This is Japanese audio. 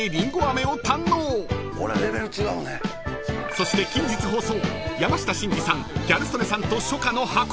［そして近日放送］